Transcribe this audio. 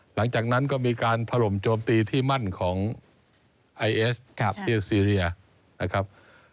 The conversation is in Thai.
หลังจากนั้นก็มีการถล่มโจมตีที่มั่นของไอเอสที่เอลซีเรียนะครับ